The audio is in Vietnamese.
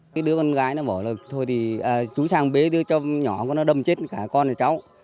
cái đứa con gái nó bảo là thôi thì chú sang bế đưa cho nhỏ con nó đâm chết cả con là cháu